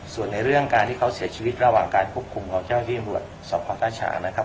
ส่วนในเรื่องการที่เขาเสียชีวิตระหว่างการควบคุมกับเจ้าที่บวชสอบความต้าฉานะครับ